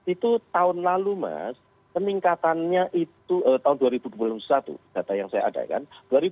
itu tahun lalu mas peningkatannya itu tahun dua ribu dua puluh satu data yang saya ada kan